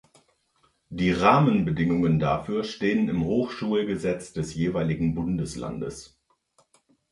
Die Rahmenbedingungen dafür stehen im Hochschulgesetz des jeweiligen Bundeslandes.